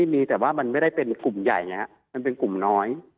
มันไม่ได้เป็นกลุ่มใหญ่มันเป็นกลุ่มน้อย